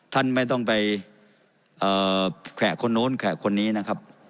ท่านไม่ต้องไปแขวะคนนู้นแขวะคนนี้นะครับ